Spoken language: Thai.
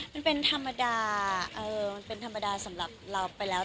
มันเป็นธรรมดามันเป็นธรรมดาสำหรับเราไปแล้ว